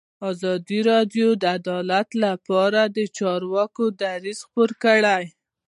ازادي راډیو د عدالت لپاره د چارواکو دریځ خپور کړی.